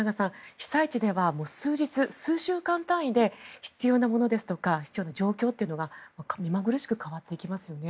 被災地では数日、数週間単位で必要なものですとか必要な状況が目まぐるしく変わってきますよね。